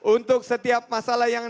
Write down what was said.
untuk setiap masalah yang